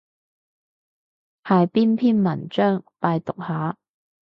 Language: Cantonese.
係邊篇文章？拜讀下